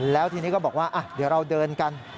แล้วทีนี้ก็บอกว่าเดี๋ยวเราเดินกัน